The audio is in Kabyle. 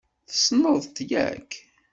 Tessneḍ-t, yak?